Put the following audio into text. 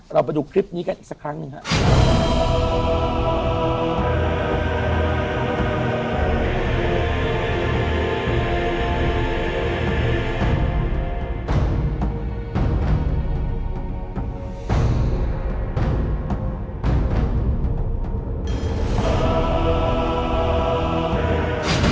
เราไปดูคลิปนี้กันอีกสักครั้งหนึ่งครับ